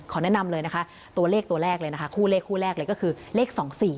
ขอแนะนำเลยตัวเลขกับตัวแรกคู่เลขเลยก็คือเลข๒๔